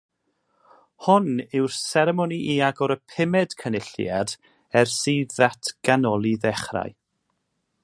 Hon yw'r seremoni i agor y pumed Cynulliad ers i ddatganoli ddechrau